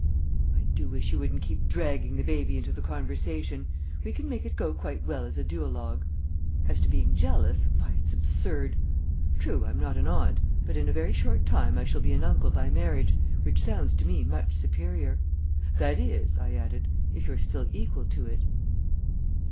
"I do wish you wouldn't keep dragging the baby into the conversation; we can make it go quite well as a duologue. As to being jealous why, it's absurd. True, I'm not an aunt, but in a very short time I shall be an uncle by marriage, which sounds to me much superior. That is," I added, "if you're still equal to it."